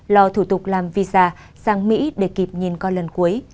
lò thủ tục làm visa sang mỹ để kịp nhìn con lần cuối